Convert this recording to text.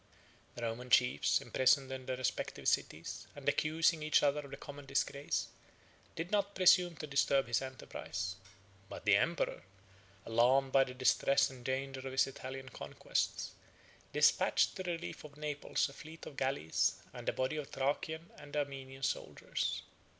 The Roman chiefs, imprisoned in their respective cities, and accusing each other of the common disgrace, did not presume to disturb his enterprise. But the emperor, alarmed by the distress and danger of his Italian conquests, despatched to the relief of Naples a fleet of galleys and a body of Thracian and Armenian soldiers.